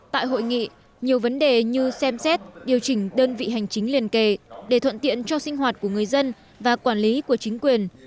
tại hội nghị nhiều vấn đề như xem xét điều chỉnh đơn vị hành chính liên kề để thuận tiện cho sinh hoạt của người dân và quản lý của chính quyền